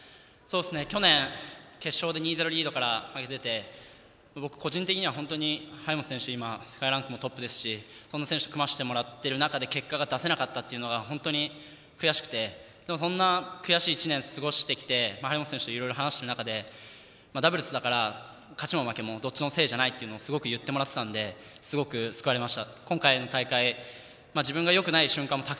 去年、決勝で２−０リードから負けてて僕、個人的には、張本選手は今、世界ランクもトップですしこの選手と組ましてもらってる中で結果が出せなかったというのが本当に悔しくてでもそんな悔しい１年を過ごしてきて、張本選手といろいろ話してきた中でダブルスだから勝ちも負けもどっちのせいじゃないっていうのをすごく言ってもらっていたのですごく救われました。